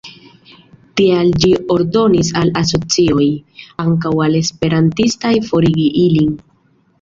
Tial ĝi ordonis al asocioj, ankaŭ al esperantistaj, forigi ilin.